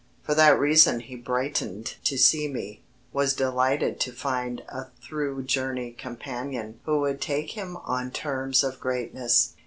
For that reason he brightened to see me was delighted to find a through journey companion who would take him on terms of greatness.